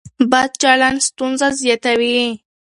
بد چلن ستونزه زیاتوي.